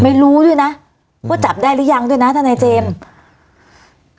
ไม่รู้ด้วยนะว่าจับได้หรือยังด้วยนะทนายเจมส์